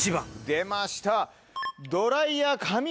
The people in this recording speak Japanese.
出ました。